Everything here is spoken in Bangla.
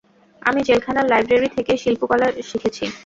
আমি জেলখানার লাইব্রেরি থেকে শিল্পকলা শিখেছি।